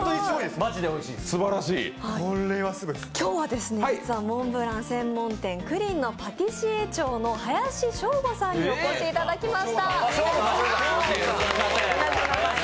起用はモンブラン専門店、栗りんのパティシエ長の林奨悟さんにお越しいただきました。